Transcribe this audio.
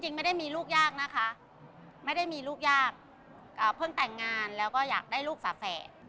ไม่ได้มีลูกยากนะคะไม่ได้มีลูกยากเพิ่งแต่งงานแล้วก็อยากได้ลูกฝาแฝด